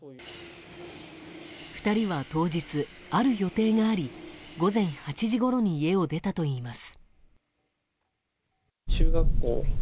２人は当日、ある予定があり午前８時ごろに家を出たといいます。